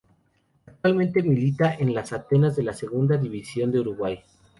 Actualmente milita en Atenas de la Segunda División de Uruguay.